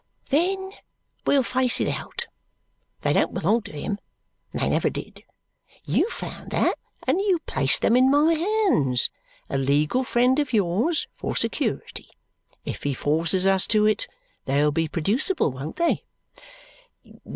"Then we'll face it out. They don't belong to him, and they never did. You found that, and you placed them in my hands a legal friend of yours for security. If he forces us to it, they'll be producible, won't they?"